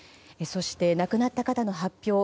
そして亡くなった方の発表